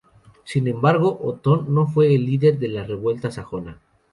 Sin embargo, Otón no fue el líder de la gran revuelta sajona.